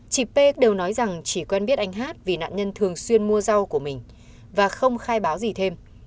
chị p đều nói rằng chỉ quen biết anh hát vì nạn nhân thường xuyên mua rau của mình và không khai báo gì thêm